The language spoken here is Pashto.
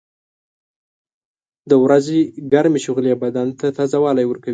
• د ورځې ګرمې شغلې بدن ته تازهوالی ورکوي.